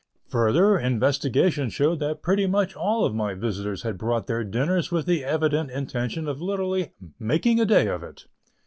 Further, investigation showed that pretty much all of my visitors had brought their dinners with the evident intention of literally "making a day of it."